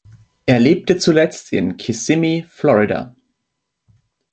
Er lebte zuletzt in Kissimmee, Florida.